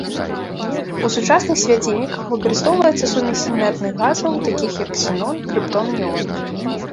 У сучасных свяцільніках выкарыстоўваецца сумець інертных газаў, такіх як ксенон, крыптон, неон.